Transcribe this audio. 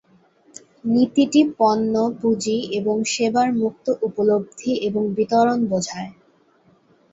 নীতিটি পণ্য, পুঁজি এবং সেবার মুক্ত উপলব্ধি এবং বিতরণ বোঝায়।